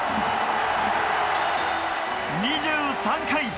２３回！